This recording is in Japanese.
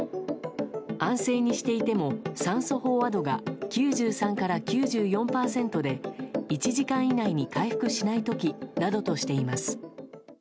安静にしていても酸素飽和度が９３から９４％で１時間以内に回復しない時などとしています。